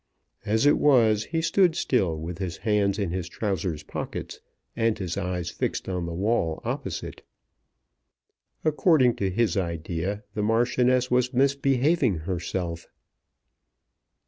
As it was he stood still, with his hands in his trousers pockets and his eyes fixed on the wall opposite. According to his idea the Marchioness was misbehaving herself.